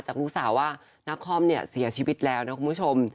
จากลูกสาวว่านครเสียชีวิตแล้วนะคุณผู้ชม